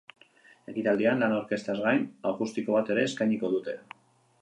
Ekitaldian lana aurkezteaz gain, akustiko bat ere eskainiko dute.